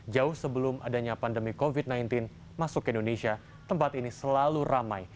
jauh sebelum adanya pandemi covid sembilan belas masuk ke indonesia tempat ini selalu ramai